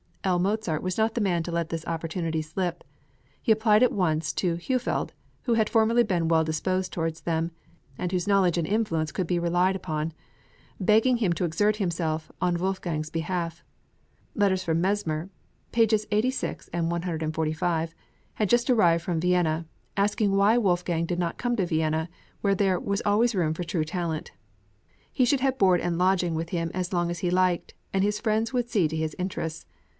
L. Mozart was not the man to let this opportunity slip. He applied at once to Heufeld, who had formerly been well disposed towards them, and whose knowledge and influence could be relied on, begging him to exert himself on Wolfgang's behalf. Letters from Messmer (pp. 86,145) had just arrived from Vienna, asking why Wolfgang did not come to Vienna, where there was "always room for true talent." He should have board and lodging with him as long as he liked, and his friends would see to his interests.